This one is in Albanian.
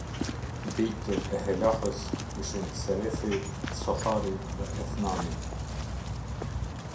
Bijtë e Helahës ishin Tserethi, Tsohari dhe Ethnani.